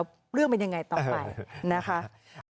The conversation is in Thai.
แต่ว่ามันมีเงินทางทางกระเป๋าอยู่อยู่